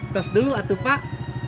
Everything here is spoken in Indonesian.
tos dulu atuh pak